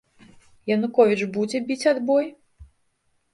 Януковіч будзе біць адбой?